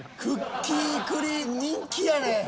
クッキークリーム人気やね。